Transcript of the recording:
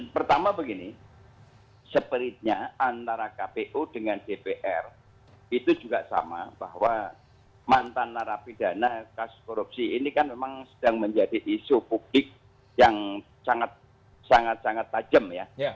pertama begini spiritnya antara kpu dengan dpr itu juga sama bahwa mantan narapidana kasus korupsi ini kan memang sedang menjadi isu publik yang sangat sangat tajam ya